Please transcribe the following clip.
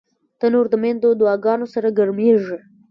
تنور د میندو دعاګانو سره ګرمېږي